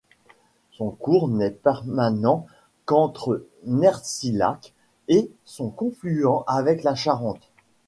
Son cours n'est permanent qu'entre Nercillac et son confluent avec la Charente.